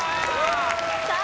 さあ